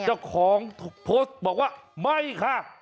เจ้าของโพสต์บอกว่าไม่ค่ะ